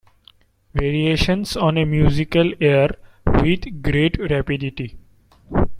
Variations on a musical air With great rapidity.